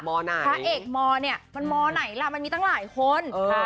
พระเอกมเนี่ยมันมไหนล่ะมันมีตั้งหลายคน